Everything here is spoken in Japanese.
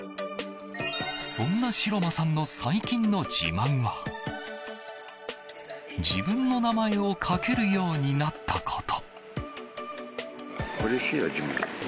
そんな城間さんの最近の自慢は自分の名前を書けるようになったこと。